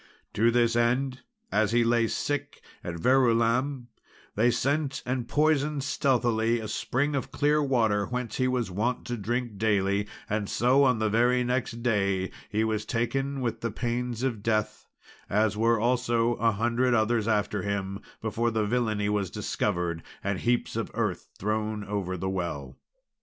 To this end, as he lay sick at Verulam, they sent and poisoned stealthily a spring of clear water, whence he was wont to drink daily; and so, on the very next day, he was taken with the pains of death, as were also a hundred others after him, before the villainy was discovered, and heaps of earth thrown over the well.